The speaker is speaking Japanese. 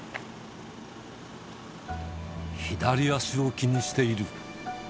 左足を気にしている。